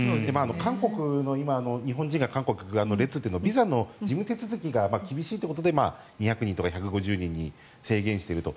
韓国、今、日本人が列を作っているのはビザの手続きが厳しいということで２００人とか１５０人に制限していると。